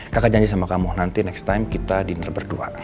kakak janji sama kamu nanti next time kita dinner berdua